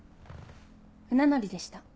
船乗りでした。